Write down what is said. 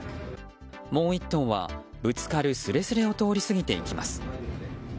もう１頭は、ぶつかるすれすれを通り過ぎていきます。